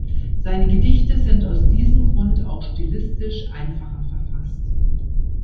Seine Gedichte sind aus diesem Grund auch stilistisch einfacher verfasst.